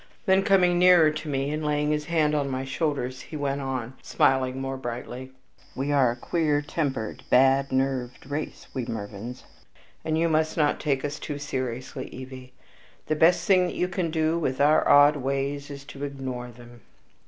Then coming nearer to me, and laying his hands on my shoulders, he went on, smiling more brightly, "We are a queer tempered, bad nerved race, we Mervyns, and you must not take us too seriously, Evie. The best thing that you can do with our odd ways is to ignore them."